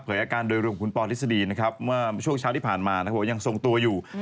อาการโดยรวมของคุณปอทฤษฎีนะครับเมื่อช่วงเช้าที่ผ่านมานะครับบอกว่ายังทรงตัวอยู่